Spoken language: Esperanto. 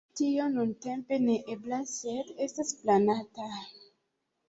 Tio nuntempe ne eblas, sed estas planata.